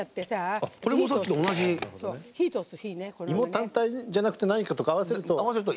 芋単体じゃなくて何かと合わせると。